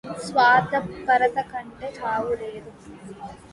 స్వార్థపరతకంటె చావులేదు